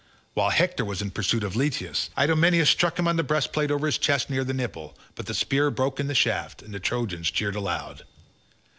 While Hector was in pursuit of Leitus, Idomeneus struck him on the breastplate over his chest near the nipple; but the spear broke in the shaft, and the Trojans cheered aloud.